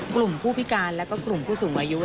กลุ่มผู้พิการแล้วก็กลุ่มผู้สูงอายุ